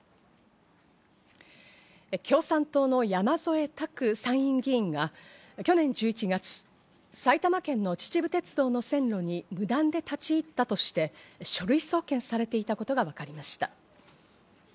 共産党の山添拓参院議員が去年１１月、埼玉県の秩父鉄道の線路に無断で立ち入ったとして、書類送検されていたことがわかりました。